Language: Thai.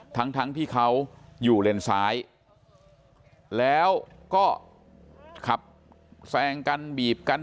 ทั้งทั้งที่เขาอยู่เลนซ้ายแล้วก็ขับแซงกันบีบกัน